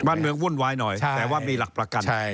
บ้านเมืองวุ่นวายหน่อยแต่ว่ามีหลักประกัน